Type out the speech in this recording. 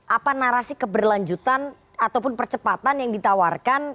apa narasi keberlanjutan ataupun percepatan yang ditawarkan